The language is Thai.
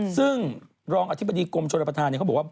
ซึ่งรองอธิบดีกรมชนประธานเขาบอกว่า